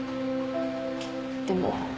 でも。